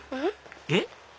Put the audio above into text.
えっ？